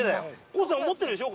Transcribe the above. コウさん持ってるでしょ？